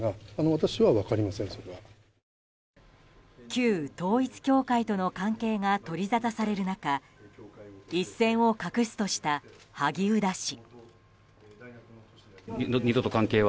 旧統一教会との関係が取りざたされる中一線を画すとした萩生田氏。